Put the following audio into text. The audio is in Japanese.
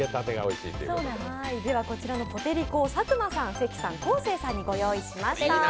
ではこちらのポテりこ佐久間さん、関さん昴生さんにご用意しました。